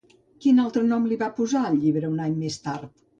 Quin altre nom li va posar al llibre un any més tard?